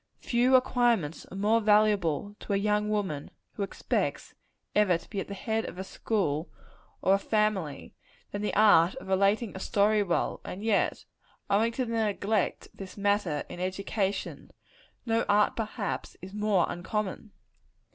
Few acquirements are more valuable to a young woman who expects ever to be at the head of a school or a family, than the art of relating a story well; and yet, owing to the neglect of this matter in education, no art, perhaps, is more uncommon.